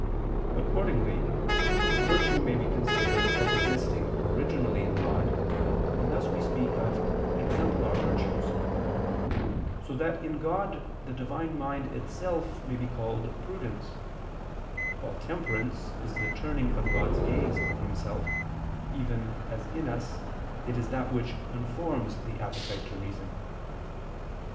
Accordingly virtue may be considered as existing originally in God, and thus we speak of "exemplar" virtues: so that in God the Divine Mind itself may be called prudence; while temperance is the turning of God's gaze on Himself, even as in us it is that which conforms the appetite to reason.